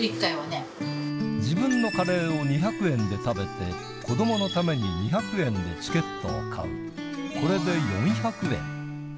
自分のカレーを２００円で食べて子どものために２００円でチケットを買う